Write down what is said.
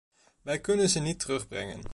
Wij kunnen ze niet terugbrengen.